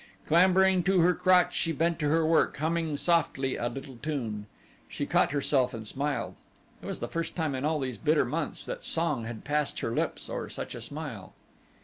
Clambering to her crotch she bent to her work, humming softly a little tune. She caught herself and smiled it was the first time in all these bitter months that song had passed her lips or such a smile.